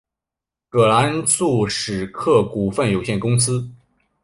葛兰素史克股份有限公司。